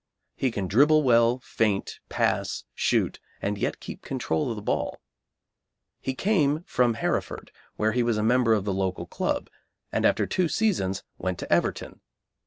He can dribble well, feint, pass, shoot, and yet keep control of the ball. He came from Hereford, where he was a member of the local club, and after two seasons went to Everton.